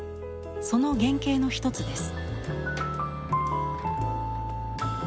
その原型の一つです。